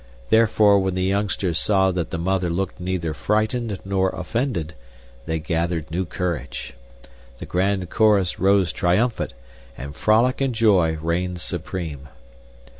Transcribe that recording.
Therefore when the youngsters saw that the mother looked neither frightened nor offended, they gathered new courage. The grand chorus rose triumphant, and frolic and joy reigned supreme.